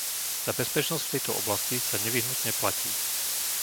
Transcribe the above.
Za bezpečnosť v tejto oblasti sa nevyhnutne platí.